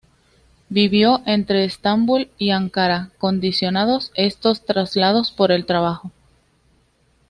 Vivió entre Estambul y Ankara, condicionados estos traslados por el trabajo.